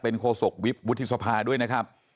โคศกวิบวุฒิสภาด้วยนะครับ